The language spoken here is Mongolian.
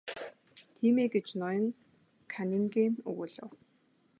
Тийм ээ гэж ноён Каннингем өгүүлэв.